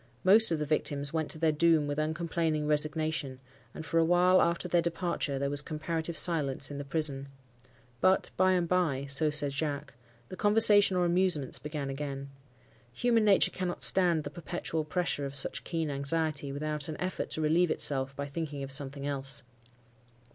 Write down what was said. Most of the victims went to their doom with uncomplaining resignation, and for a while after their departure there was comparative silence in the prison. But, by and by—so said Jacques—the conversation or amusements began again. Human nature cannot stand the perpetual pressure of such keen anxiety, without an effort to relieve itself by thinking of something else.